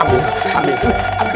aduh pade pade